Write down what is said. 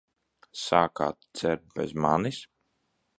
Sākāt dzert bez manis?